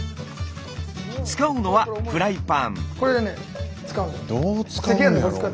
使うのはフライパン。